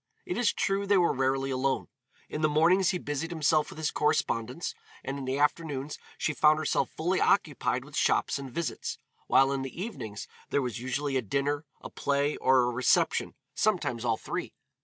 It is true they were rarely alone. In the mornings he busied himself with his correspondence, and in the afternoons she found herself fully occupied with shops and visits, while in the evenings there was usually a dinner, a play, or a reception, sometimes all three.